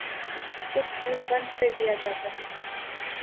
کچھ یوں بند کردیا جاتا ہے